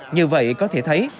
như vậy có thể thấy